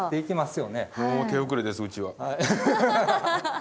もう手遅れですうちは。